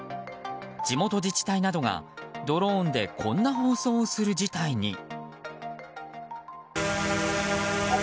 地元自治体などがドローンでこんな放送をする事態に。